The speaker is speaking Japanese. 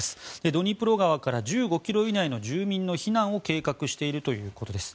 ドニプロ川から１５ｋｍ以内の住民の避難を計画しているということです。